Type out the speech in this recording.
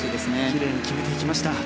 きれいに決めていきました。